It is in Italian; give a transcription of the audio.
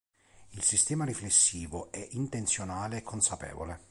Il Sistema Riflessivo è intenzionale e consapevole.